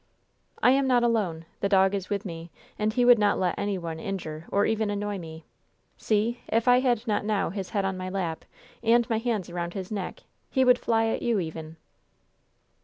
"I am not alone. The dog is with me, and he would not let any one injure or even annoy me. See! if I had not now his head on my lap and my hands around his neck, he would fly at you even.